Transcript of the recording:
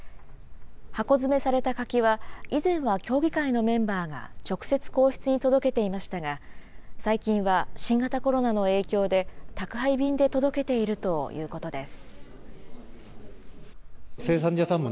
箱詰めされた柿は、以前は協議会のメンバーが直接、皇室に届けていましたが、最近は新型コロナの影響で、宅配便で届けているということです。